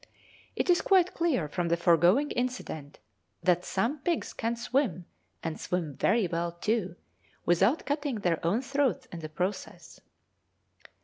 It is quite clear from the foregoing incident that some pigs can swim, and swim very well too, without cutting their own throats in the process.